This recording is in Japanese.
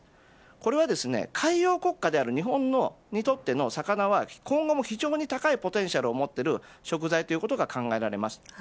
これは海洋国家である日本にとっての魚は今後も非常に高いポテンシャルを持っている食材ということが考えられます。